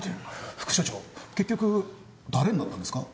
副署長結局誰になったんですか？